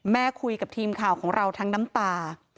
คุยกับทีมข่าวของเราทั้งน้ำตา